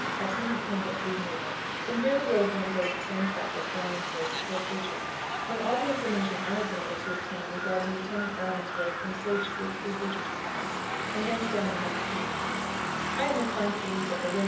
Excellent camp at Green River. From here the road runs over the same track as Bryan's road to Fort Bridger. From all the information I have been able to obtain regarding Lieutenant Bryan's road from Sage Creek through Bridger's Pass, and thence down the Muddy Creek, I am inclined to believe that the road we traveled is much the best.